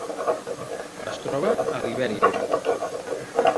Es troba a Libèria.